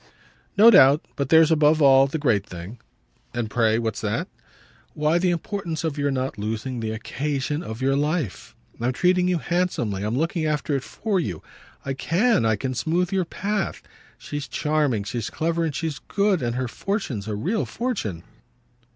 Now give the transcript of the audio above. "No doubt. But there's above all the great thing." "And pray what's that?" "Why the importance of your not losing the occasion of your life. I'm treating you handsomely, I'm looking after it for you. I CAN I can smooth your path. She's charming, she's clever and she's good. And her fortune's a real fortune."